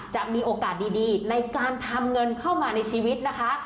จะมีโอกาสดีในการทำเงินเข้ามาในชีวิตนะคะ